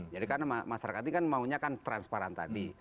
jadi karena masyarakat ini maunya kan transparan tadi